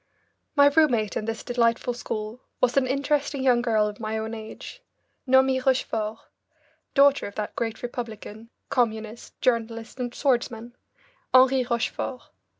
My roommate in this delightful school was an interesting young girl of my own age, Noemie Rochefort, daughter of that great Republican, Communist, journalist, and swordsman, Henri Rochefort.